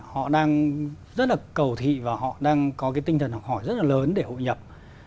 họ đang rất cầu thị và họ đang có tinh thần học hỏi rất lớn để hội nhập